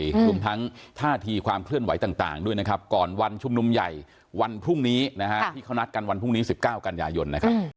รวมทั้งท่าทีความเคลื่อนไหวต่างด้วยนะครับก่อนวันชุมนุมใหญ่วันพรุ่งนี้นะฮะที่เขานัดกันวันพรุ่งนี้๑๙กันยายนนะครับ